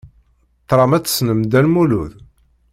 Tram ad tessnem Dda Lmulud?